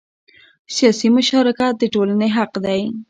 سیاسي مشارکت د ټولنې حق دی